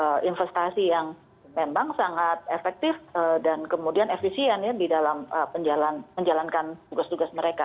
dan ukuran yang investasi yang memang sangat efektif dan kemudian efisien ya di dalam menjalankan tugas tugas mereka